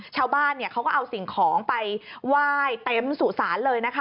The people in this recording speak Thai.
ชาวบ้านก็เอาสิ่งของไปว่ายเต็มสุสานเลย